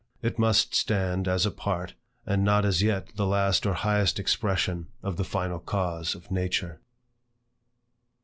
It must stand as a part, and not as yet the last or highest expression of the final cause of Nature.